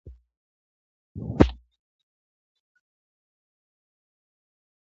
خوله یې ډکه له دعاوو سوه ګویان سو-